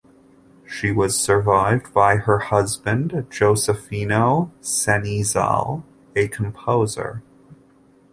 She was survived by her husband, Josefino Cenizal, a composer.